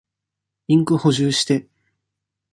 インク補充して。